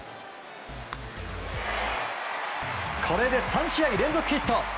これで３試合連続ヒット！